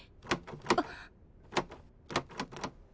・あっ。